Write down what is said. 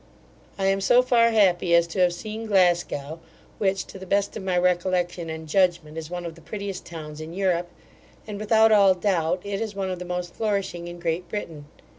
I am so far happy as to have seen Glasgow, which, to the best of my recollection and judgment, is one of the prettiest towns in Europe; and, without all doubt, it is one of the most flourishing in Great Britain.